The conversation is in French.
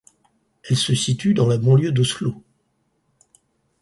Elle se situe dans la banlieue d'Oslo.